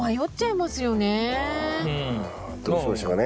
どうしましょうかね？